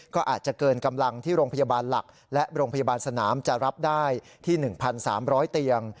ก็อาจจะเกินกำลังที่โรงพยาบาลหลักและโรงพยาบาลสนามจะรับได้ที่๑๓๐๐เตียง